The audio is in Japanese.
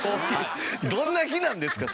どんな日なんですか？